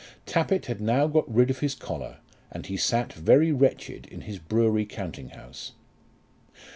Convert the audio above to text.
Tappitt had now got rid of his collar, and he sat very wretched in his brewery counting house.